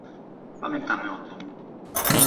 Pamiętamy o tym